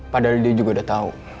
padahal dia juga udah tahu